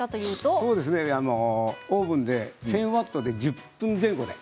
オーブンで１０００ワットで１０分前後で。